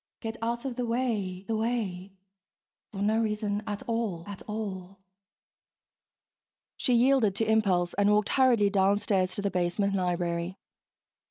(Get out of the way, the way.... For no reason at all, at all....) She yielded to impulse and walked hurriedly downstairs to the basement library.